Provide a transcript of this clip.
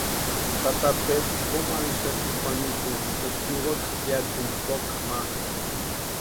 Tata Pedru komu arhixati Juanitu eska niwaka piakuni koka ma.